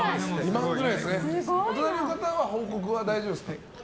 お隣の方は報告は大丈夫ですか？